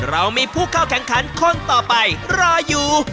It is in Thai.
เรามีผู้เข้าแข่งขันคนต่อไปรออยู่